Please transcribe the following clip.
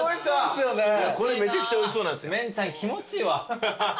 メンちゃん気持ちいいわ。